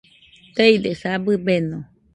Teidesa, abɨ beno